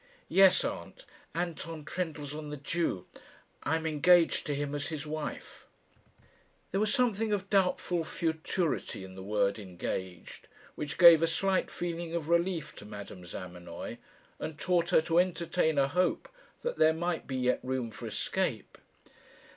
"Yes, aunt; Anton Trendellsohn, the Jew. I am engaged to him as his wife." There was a something of doubtful futurity in the word engaged, which gave a slight feeling of relief to Madame Zamenoy, and taught her to entertain a hope that there might be yet room for escape.